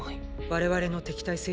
我々の敵対勢力